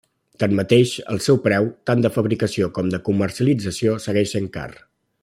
Tanmateix, el seu preu, tant de fabricació com de comercialització, segueix sent car.